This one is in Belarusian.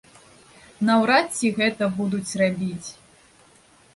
Наўрад ці гэта будуць рабіць.